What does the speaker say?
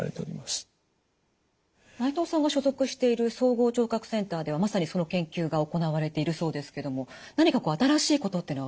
内藤さんが所属している総合聴覚センターではまさにその研究が行われているそうですけども何か新しいことというのは分かってきてるんですか？